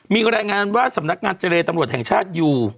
มีรายงานว่าสำนักงานเจรตำรวจแห่งชาติอยู่